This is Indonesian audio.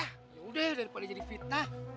yaudah daripada jadi fitnah